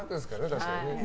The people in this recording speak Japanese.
確かにね。